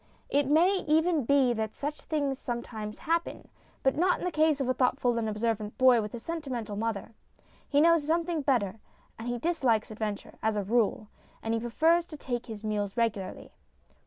It may even be that such things some times happen. But not in the case of a thoughtful and observant boy with a sentimental mother. He knows something better, and he dislikes adventure, as a rule, and he prefers to take his meals regularly.